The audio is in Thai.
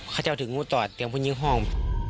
เขาจะเอาถึงงุดตอดเตียงพูดยิ่งห้อง